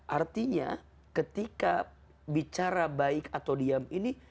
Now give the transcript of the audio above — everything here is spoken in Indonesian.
artinya ketika bicara baik atau diam ini